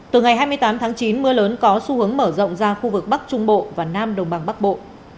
từ ngày hai mươi tám tháng chín mưa lớn có xu hướng mở rộng ra khu vực bắc trung bộ và nam đồng bằng bắc bộ